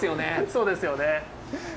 そうですよね。